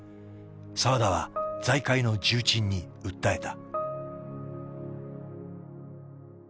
澤田は財界の重鎮に訴えた。